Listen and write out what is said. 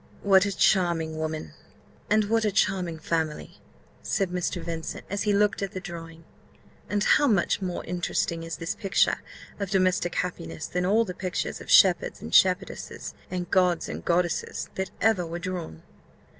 "What a charming woman, and what a charming family!" said Mr. Vincent, as he looked at the drawing; "and how much more interesting is this picture of domestic happiness than all the pictures of shepherds and shepherdesses, and gods and goddesses, that ever were drawn!"